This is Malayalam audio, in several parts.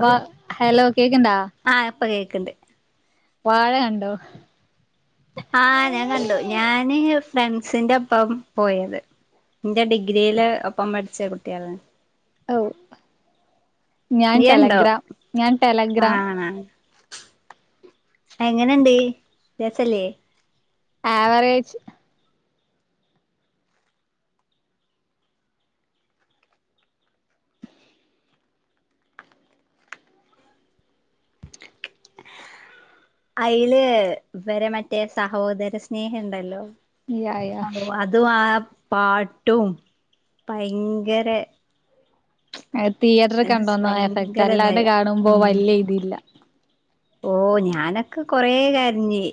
വ ഹലോ കേക്ക്ണ്ടാ? ആഹ ഇപ്പ കേക്കണ്ട്. വാഴ കണ്ടോ? ആഹ് ഞാൻ കണ്ടു ഞാന് ഫ്രണ്ട്സിന്റെ ഒപ്പം പോയത്. ഇന്റെ ഡിഗ്രിയില് ഒപ്പം പഠിച്ച കുട്ടിഴള ഔ ഞാൻ ടെലഗ്രാം ഞാൻ ടെലഗ്രാം ആ എങ്ങനെ ഇണ്ട് രസല്ലേ ആവറേജ് അയില് ഇവരെ മറ്റേ സഹോദര സ്നേഹണ്ടല്ലോ യാ യാ അതും ആ പാട്ടും ഭയങ്കരെ തിയേറ്റർ കണ്ടോന്ന എഫക്റ്റ് ഭയങ്കര അല്ലാണ്ട് ഇതായി കാണുമ്പോ ഉം വല്ല്യ ഇതില്ല ഓ ഞാനക്ക കൊറേ കര്ഞ്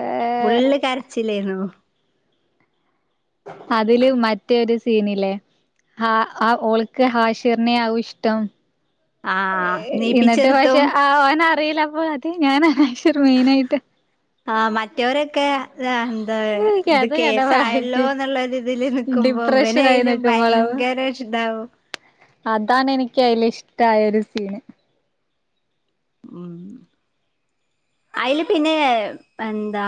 ഏഹ് ഫുള്ള് കര്ച്ചില്ലേന്നു അതില് മറ്റേ ഒര് സീനി ല്ലേ ആ ആ ഓൾക്ക് ഹാഷ്ർനെ ആവും ഇഷ്ടം ആ എന്ന്ട്ട് പക്ഷെ നീപ്പിച്ചെറുത്തും അവനറീല അപ്പോ അത് ഞാന് ഹാഷിർ മെയിന ആയിട്ട് ആ മറ്റൊരക്കെ [unintelligible] അത എനിക്ക് ഇത് അത് കണ്ടപ്പളാ കേസായല്ലോന്ന്ള്ളര് ഇതില് നിക്കുമ്പോ ഇവന് ഡിപ്രഷനായി അയില് നിക്കുമ്പളാ ഭയങ്കര ഇതാവും അതാണ് എനിക്ക് അയില് ഇഷ്ടായ ഒര് സീന് ഉം അയില് പിന്നെ എന്താ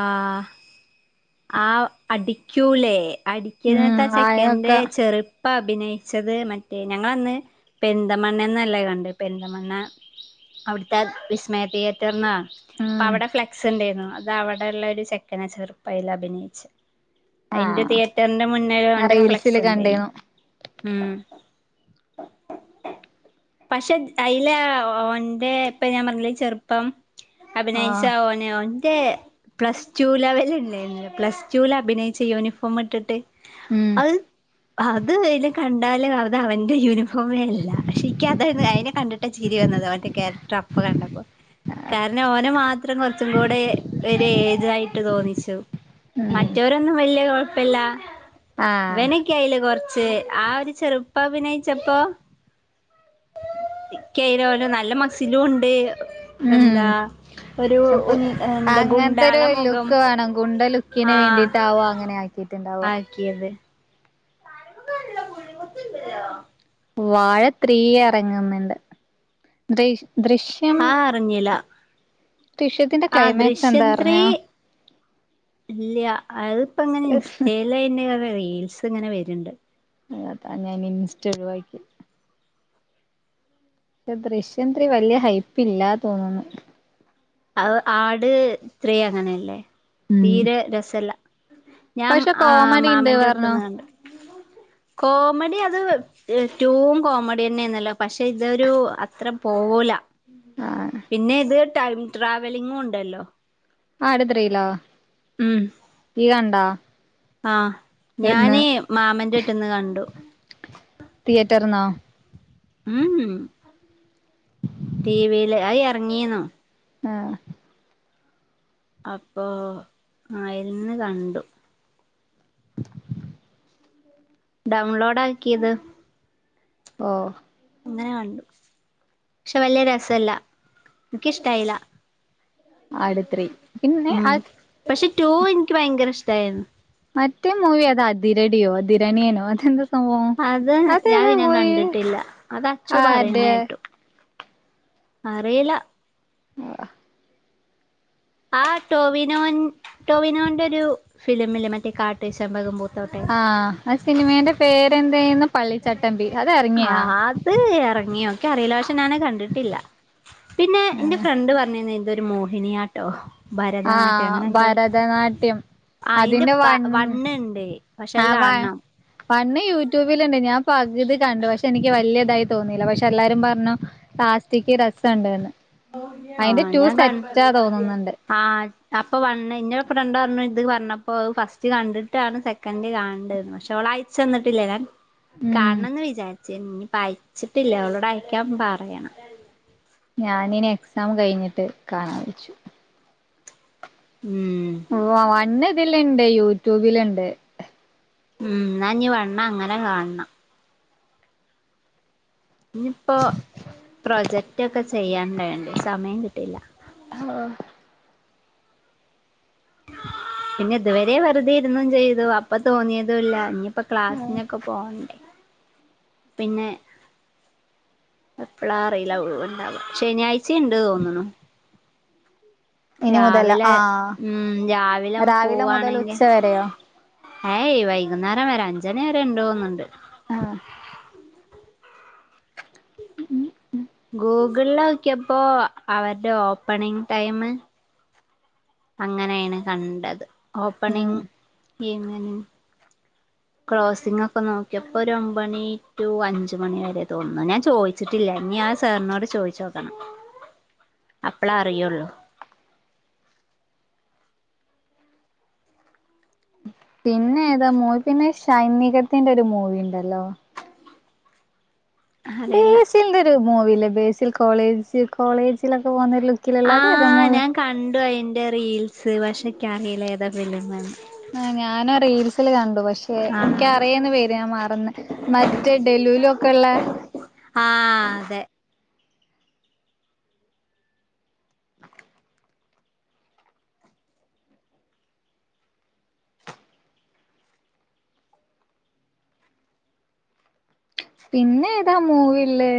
ആ അടിക്യൂലേ ഉം അടിക്യനത്ത ആ ചെക്കന്റെ ആയൊക്കെ ചെറ് പ്പ അഭിനയിച്ചത് മറ്റേ ഞങ്ങളന്ന് പെര്ന്തമണ്ണേന്നല്ലേ കണ്ട് പെര്ന്തമണ്ണ അവിട്ത്തെ വിസ്മയ തിയേറ്റർന്ന അപ്പ ഉം അവടെ ഫ്ലെക്സ് ഇണ്ടെര്ന്നു അത് അവട ഇള്ള ഒരു ചെക്കന ചെർപ്പയ്‌ല് അഭിനയിച്ച അയിന്റെ ആഹ് തിയേറ്റർന്റെ മുന്നില് ഞാൻ ഓന്റെ ഫ്ലെക്സ് റീൽസില് ഇണ്ടെര്ന്നു കണ്ടീന്നു ഉം പക്ഷെ അയിലാ ഓന്റെ ഇപ്പ ഞാൻ പർഞ്ഞിലെ ഈ ചെർപ്പം അഭിനയിച്ച ആഹ് ഓൻ ഓന്റെ പ്ലസ് ടു ലെവലല്ലേന്ന് പ്ലസ് ടുല് അഭിനയിച്ച യൂനിഫോമ് ഇട്ട്ട്ട് ഉം അത് അത് അയില് കണ്ടാല് അത് അവന്റെ യൂനിഫോമേ അല്ല പക്ഷെ ഇക്കി അതര്ന്നു അഴിനെ കണ്ട്ട്ടാ ചിരി വന്നത് അവന്റെ കേ റ്റപ്പ് കണ്ടപ്പോ കാര്ണം ഓന മാത്രം കൊർച്ചും കൂടെ ഒര് ഏജായിട്ട് തോന്നിച് ഉം മറ്റൊരൊന്നും വല്യ കോഴപ്പല്ല ആഹ് ഇവന് ക്യയിലെ കൊർച്ച് ആ ഒര് ചെറുപ്പം അഭിനയിച്ചപ്പോ ഇക്യ അഴില് ഓല നല്ല മസിലും ഇണ്ട് ഉം എന്താ ഒരു സപ്പ് ഉൺ എന്താ ഗുണ്ടാള അങ്ങൻത്തെരു മുഖം ലുക്ക് വാണം ഗുണ്ട ലുക്കിന് ആഹ് വേണ്ടിട്ടാവു അങ്ങനെ ആക്കിയേ കിട്ട്ണ്ടാവാ ആക്കിയത് [inaudible] വാഴ ത്രീ എർങ്ന്ന്ണ്ട് ദൃഷ് ദൃഷ് ആ അറിഞ്ഞില ദൃഷ്യത്തിന്റെ ക്ലൈമാക്സ് എന്താർഞ്ഞോ ഇല്ല്യ അത്പ്പ ഇങ്ങനെ ഇൻസ്റ്റേല് അയിന്റെ റീൽസ് ഇങ്ങനെ വര്ണ്ട് അതാ ഞാന് ഇൻസ്റ്റ ഒഴിവാക്കി ദൃശ്യം ത്രീ വല്ല്യ ഹൈപ്പ്ല്ലാ തോന്നുന്നു അത് ആട് ത്രീ അങ്ങനല്ലേ ഉം തീരെ രസല്ല ഞാൻ പക്ഷെ ആഹ് കോമഡി ഇണ്ട് മാമന്റെ പർഞ്ഞു അടുത്ത്ന്ന് കണ്ട് കോമഡി അത് ഏ ടൂ വും കോമഡി തന്നെന്നല്ലോ പക്ഷെ ഇതൊരു അത്ര പോവുല ആഹ് പിന്നെ ഇത്ട ട്രാവലിങ്ങും ഉണ്ടല്ലോ ആട് തൃയില്ലോ ഉം യ്യ് കണ്ടാ ആഹ് എവിടുന്ന് ഞാന് മാമന്റെ എട്ത്ന്ന്ന് കണ്ടു തിയേറ്റർന്നോ ഉം ഉം ടി വിൽ അയി ഇറങ്ങീണ് ആഹ് അപ്പോൊ ആയിന്ന് കണ്ടു ഡൗൺലോഡ് ആക്കിയത് ഓ അങ്ങനെ കണ്ടു പക്ഷെ വലിയ രസല്ല എനിക്കിഷ്ടായില്ല ആട് ത്രി പിന്നെ ഉം അത് പക്ഷെ ടു എനിക്ക് ഭയങ്കര ഇഷ്ടായിരുന്നു മറ്റേ മൂവി അതാധിരണിയോ ദിരണിയനോ അതെന്ത അത് ഞാൻ പിന്നെ കണ്ടിട്ടില്ല അത് അച്ചു പറയുന്ന ആര്ടെ കേട്ടു അറയില്ല ആ ആ ടോവിനോൻ ടോവിനോന്റെ ഒരു ഫിലിം ഇില്ലേ മറ്റേ കാട്ട് ചെ മ്പകം പൂത്തോട്ടെ ആഹ് ആ സിനിമന്റെ പേരെന്തെയന്നു പള്ളിച്ചട്ടമ്പി അത് ആ ഇറങ്ങിയാ അത് ഇറങ്ങിയൊ ക്കി അറിയില്ല പക്ഷെ ഞൻ അത്കണ്ടിട്ടില്ല പിന്നെ എൻ്റെ ഫ്രണ്ട് പറഞ്ഞിനി ഇതൊരു മോഹിനിയാട്ട് ട്ടോ ആ ഭരതനാട്യം അങ്ങനെ എന്തോ ഭരതനാട്യം ആ അതിന്റെ പ വ ണ്ണ്ണ്ട് പക്ഷെ ആ അത് വ കാണണം വണ്ണ് യൂട്യൂബില്ണ്ട് ഞാൻ പകുതി കണ്ടു പക്ഷെ എനിക്ക് വലിയ ഇതായി തോന്നിയില്ല പക്ഷെ എല്ലാരും പറഞ്ഞു ലാസ്റ്റിക് രസണ്ട്ന്ന് അതിന്റെ ആഹ് ടു ഞാൻ കണ്ട സെറ്റാ തോന്നുന്നുണ്ട് ആ അപ്പൊ വണ്ണ് ഇന്നൊട് ഫ്രണ്ട്പറഞ്ഞു ഇത് പറഞ്ഞപ്പോ ഫസ്റ്റ് കണ്ടിട്ടാണ് സെ കണ്ട് കാണണ്ടന്ന് പക്ഷെ അവള് അയച്ചു തന്നിിട്ടില്ല ഞാൻ ഉം കാണണംന്ന് വിചാരിച്ചേ ഇനി പായിച്ചിട്ടില്ല അവളോട് അയക്കാൻ പറയണം ഞാനിനി എക്സാം കഴിഞ്ഞിട്ട് കാണാൻ വെച്ചു ഉം ഓ വണ്ണ് ഇതില ഇണ്ട് യൂട്യൂബിലുണ്ട് ഉം എന്നാ നീ വണ്ണ് അങ്ങനെ കാണണം ഇനിയിപ്പോൊ പ്രൊജക്റ്റ് ഒക്കെ ചെയ്യാൻ ണ്ടായോണ്ട് സമയം കിട്ടിയില്ല ആഹ് പിന്നെ ഇതുവരെ വെറുതെ ഇരുന്നും ചെയ്തു അപ്പൊ തോന്നിയതുംല്ല ന ഇപ്പൊ ക്ലാസ്സിനൊക്കെ പോവണ്ടേ പിന്നെ എപ്പളാ അറിയില്ല ഒഴിവുണ്ടാവ ശനിയാഴ്ച ച്ചണ്ട് തോന്നണ ഇനി മുതൽ രാവിലെ ആഹ് ഉം രാവിലെ രാവിലെ മുതൽ ഉച്ച പോവാവാണെങ്കിൽ വരെയോ ഏയ് വൈകുന്നേരം വരെ അഞ്ചണി വരെ ണ്ടു തോന്നണ്ട് ആഹ് ഉ ഊ ഉം. ഗൂഗ്ൾളോക്കിയപ്പോ അവര്ടെ ഓപ്പണിംങ് ടൈമ് അങ്ങനേണ് കണ്ടത് ഉം ഓപ്പണിങ് [unintelligible] [inaudible] ക്ലോസിംങ് ഒക്കെ നോക്കിയപ്പോ ഒര ഒമ്പണി ട്ടു അഞ്ചു മണി വരെ തോന്നുന്നു ഞാൻ ചോയ് വച്ച്ട്ടില്ല ഇൻഞ്ഞി ആ സാർനോട് ചോയ്ചൊക്കണം. [inaudible] അപ്പളാ അറിയൊള്ളൂ. പിന്നെ ഏതാ മൂവി പിന്നെ ഷൈൻ നികത്തിന്റെ ഒരു മൂവിണ്ടല്ലൊ. അറിയില്ല ബേസിൽന്റെ ഒരു മൂവില്ലേ ബേസിൽ കോളേജ് കോളേജിലൊക്കെ പോവ്ന്ന ഒര് ലു ആ ക്കിലെല്ലാതെ ഏതാ മൂവി? ഞാൻ കണ്ടു അയ്ന്റെ റീൽസ് പക്ഷേ ക്കേറീലാ ഏതാ ഫിലീംമ്ന്ന്. ആഹ് ഞാനും റീൽസില് കണ്ടു പക്ഷെ ആ ക്കേ പറയുന്ന പേര് ഞാൻ മറന്നു മറ്റേ ഡേലൂലു ഒക്കള്ളേ. ആഹ് അതെ. പിന്നെ ഏതാ മൂവിള്ളേ?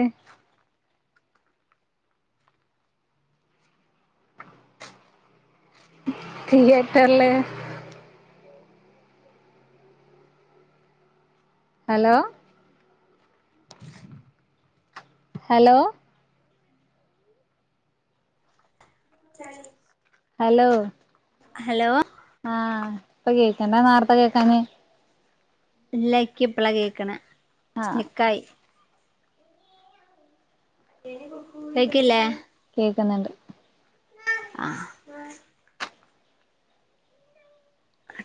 ട്ടീയറ്റർല്. ഹലോ. ഹലോ. [unintelligible] ഹലോ. ഹലോ ആഹ് ഇപ്പൊ കേക്കണ്ട നാർത്ത കേക്കാഞ് ഇല്ലാ ഇക്ക് ഇപ്പളാ കേക്ക്ണ് ആഹ് സ്റ്റ്ക്കായി. കേയ്ക്ക്ല്ലേ? കേക്ക്ന്ന്ണ്ട്. ആഹ്.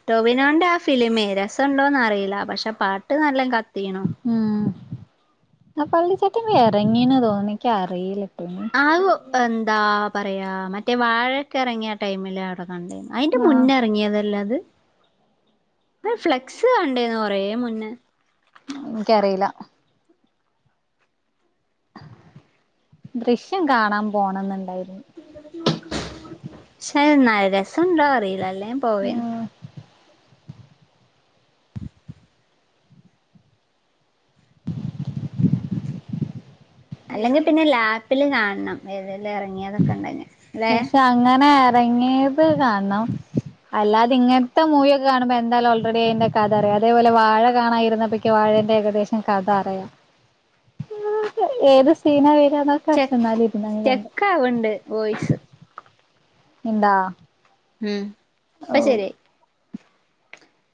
ടോവിനോന്റെ ആ ഫിലിമേ രസണ്ടോന്നറീലാ പക്ഷെ പാട്ട് നല്ലം കത്തീണു. ഉം ആ പള്ളിച്ചട്ടംമ്പി എറങ്ങീണ് തോന്ന്ന് ഇക്കറീലൊട്ടോ ഇനി. ആവൂ എന്താ പറയാ മറ്റേ വാഴക്കെ എറങ്ങിയ ടൈമില് അവടെ കണ്ടീന്നു. അയ്ന്റെ ആഹ് മുന്നേ എറങ്ങീതല്ലേ അത് ഫ്ലെക്സ് കണ്ടീന്ന് കൊറേ മുന്നേ. ഇൻക്കേറീലാ. ദൃഷ്യം കാണാം പോണംന്ന്ണ്ടായിര്ന്നു. ഷേ ന്നാ രസംണ്ടോ അറീലല്ലേയ് പോവേയ്ന്നു. ഉം [inaudible] അല്ലെങ്കി പിന്നെ ലാപ്പില് കാൻണം ഏതെലും എറങ്ങീയേതൊക്കെണ്ടങ്കി ലേ. ങ്ങനെ എറങ്ങീയേത് കാൻണം. അല്ലാത ഇങ്ങൻത്തെ മൂവിയൊക്കെ കാണുമ്പോ എന്താലും ഓൾറെഡി അയിന്റെ കഥറിയാ അതേപോലെ വാഴ കാണാ ഇര്ന്നപ്പൊ ക്ക് വാഴന്റെ ഏകദേശം കഥ അറിയാ ഏത് സീനാ വര് ന്നൊ പ്രശ്നോന്നാല് ഇരിന്നങ് കണ്ട്. ക്കാൾണ്ട് വോയിസ്. നിണ്ടാ ഉം പ്പ ശെരി ആയി.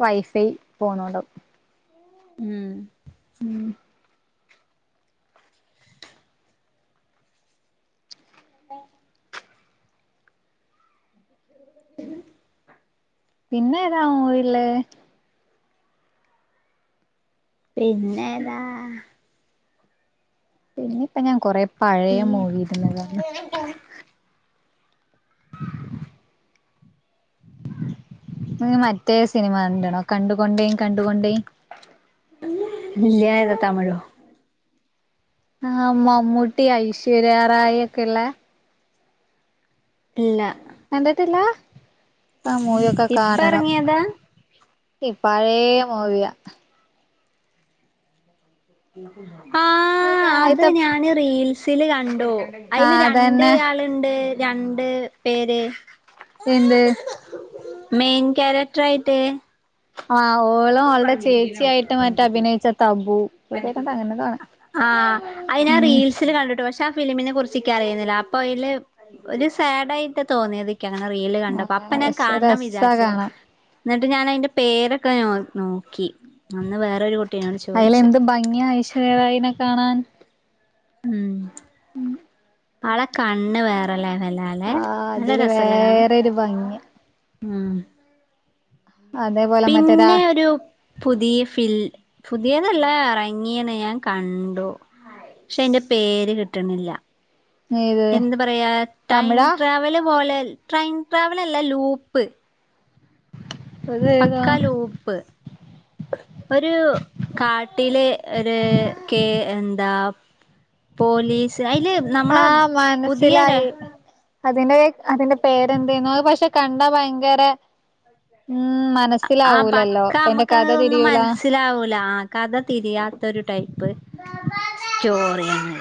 വൈഫൈ പോണൊൻണ്ടാവും. ഉം. ഉം ആഹ പിന്ന പിന്നെ താ ഓ ഇളെ പിന്നെത പിന്നെപ്പ ഞാൻ കൊറെേ പഴയ മൂവി ഇരുന്നതാണ് എ [inaudible] ആ മറ്റേ സിനിമ ഉണ്ടണോ കണ്ടുകൊണ്ടേ കണ്ടുകൊണ്ടേും ഇല്ലായതട്ടാ തമിഴ് ഓ ആഹ മമ്മൂട്ടി ഐശ്വര്യാറായി ഒക്കെള്ളെ ഇല്ല കണ്ടിട്ടില്ല ആ മൂവി ഒക്കെ ഇപ്പ കാണണം........... ഇറങ്ങിയതാ ഈ പാഴേ മുവിയ.......... [unintelligible] ആഹ അത് ആദ്യത്തെ ഞാന് റീൽസിൽ കണ്ടു അതില് ആഹ് രണ്ട് അതന്നെ ആള് രണ്ട് രണ്ട് പേര് എന്ത് മെയിൻ കാക്യരക്ടർ ആയിട്ട്........ ആഹ ഓളും അവളുടെ ചേച്ചിയായിട്ട് മറ്റ അഭിനയിച്ച തബു ഇള പേരെന്ത അങ്ങനെ കാണ ആഹ് അത്ഞാൻ റീൽസിൽ കണ്ടിട്ടു പക്ഷെ ആ ഫിലിമിനെ കു ചിക്ക് അറിയുന്നില്ല അപ്പൊ അതില് ഒരു സാഡ് ആയിട്ട് തോന്നി.......... അങ്ങനെ റീല് കണ്ടപ്പ അപ്പൊ ആഹ് ഞാൻ പക്ഷെ കാണണം രസാ വിചാരിച്ചു കാണാൻ എന്നിട്ട് ഞാൻ അതിന്റെ പേരൊക്കെ ഞാൻ നോക്കി അന്ന് വേറെ കു അയില് എന്ത് ഭംഗിയ ഐശ്വര്യാ റായിനെ കാണാൻ ഉം ഉം ആളെ കണ്ണ് വേറെല്ലേ വല്ലല്ലെ ആഹ് നല്ല അതില് രസലെ കാണാൻ വേറൊരു ഭംഗി ഉം അതേപോലെ മറ്റേടാ... പിന്നെ ഒരു പുതിയ ഫില് പുതിയതല്ല ഇറങ്ങിയനെ ഞാൻ കണ്ടു. പക്ഷെ അയിന്റെ പേര് കിട്ടണില്ല. ഇത് എന്ത് പറയാ ട്രൈൻ തമിഴാ ട്രാവല് പോലെ ട്രൈൻ ട്രാവൽ അല്ല ലൂപ്പ്. ഇത് ഏതാ പക്ക ലൂപ്പ് ഒരു കാട്ടിലെ ഒരു കേ എന്താ. പോലീസ് അയിൽ ആഹ മനസ്സിലായി അതിന്റെ അതിന്റെ പേരെന്ത് എന്തായിരുന്നു അത് പക്ഷെ കണ്ടാ ഭയങ്കര ഉം മ... ആഹ പക്ക നമുക്ക് അതൊന്നും മനസ്സിലാവൂല.... കഥ തിരിയാത്തൊരു ടൈപ്പ് സ്റ്റോറിയാണ്......